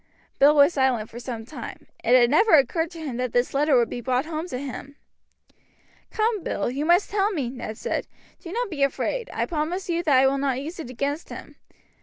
Bill was silent for some time, It had never occurred to him that this letter would be brought home to him. "Come, Bill, you must tell me," Ned said. "Do not be afraid. I promise you that I will not use it against him.